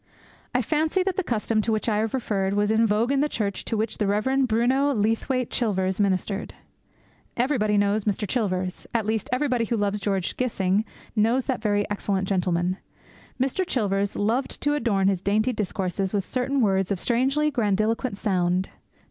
I fancy that the custom to which I have referred was in vogue in the church to which the Rev. Bruno Leathwaite Chilvers ministered. Everybody knows Mr. Chilvers; at least everybody who loves George Gissing knows that very excellent gentleman. Mr. Chilvers loved to adorn his dainty discourses with certain words of strangely grandiloquent sound.